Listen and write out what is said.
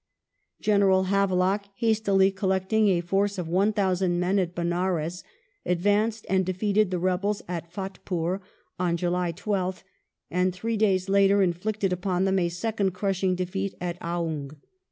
General Havelock, hastily col lecting a force of 1,000 men at Benares, advanced and de feated the rebels at Fathpur on July 12th, and three days later inflicted upon them a second crushing defeat at Aoung.